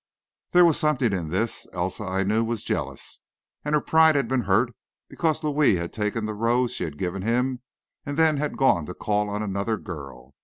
There was something in this. Elsa, I knew, was jealous, and her pride had been hurt because Louis had taken the rose she gave him, and then had gone to call on another girl.